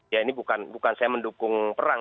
ya ini bukan saya mendukung perang